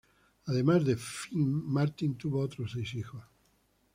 Además de Finn, Martin tuvo otros seis hijos.